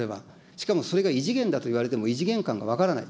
しかもそれが異次元だといわれても、異次元感が分からない。